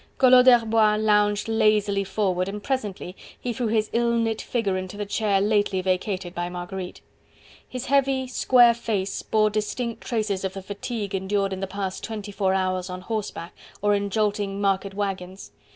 Collot d'Herbois lounged lazily forward, and presently he threw his ill knit figure into the chair lately vacated by Marguerite. His heavy, square face bore distinct traces of the fatigue endured in the past twenty four hours on horseback or in jolting market waggons.